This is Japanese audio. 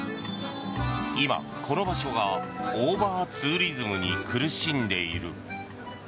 今、この場所がオーバーツーリズムに苦しんでいる。